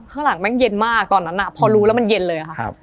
ข้างหลังแม่งเย็นมากตอนนั้นพอรู้แล้วมันเย็นเลยค่ะ